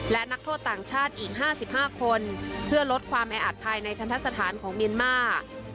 และนักโทษต่างชาติอีกห้าสิบห้าคนเพื่อลดความแอดภัยในคันธสถานของเมียนมา